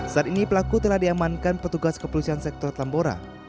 saat ini pelaku telah diamankan petugas kepolisian sektor tambora